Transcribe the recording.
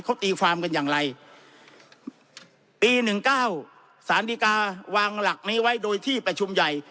เขาตีความกันอย่างไรปีหนึ่งเก้าสารดีกาวางหลักนี้ไว้โดยที่ประชุมใหญ่